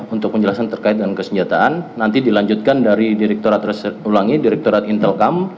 untuk penjelasan terkait dengan kesenjataan nanti dilanjutkan dari direkturat reser ulangi direkturat intelkam